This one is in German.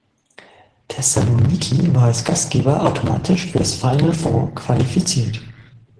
Thessaloniki war als Gastgeber automatisch für das Final Four qualifiziert.